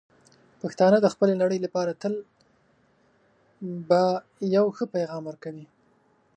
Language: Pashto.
پښتانه د خپلې نړۍ لپاره تل به یو ښه پېغام ورکوي.